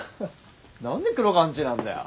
何で黒川んちなんだよ。